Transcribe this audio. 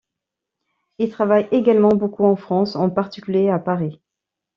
Il travaille également beaucoup en France, en particulier à Paris.